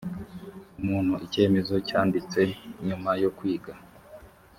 umuntu icyemezo cyanditse nyuma yo kwiga